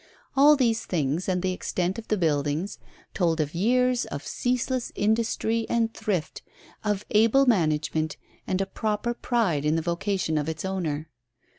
All these things, and the extent of the buildings, told of years of ceaseless industry and thrift, of able management and a proper pride in the vocation of its owner.